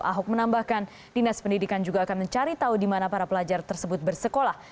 ahok menambahkan dinas pendidikan juga akan mencari tahu di mana para pelajar tersebut bersekolah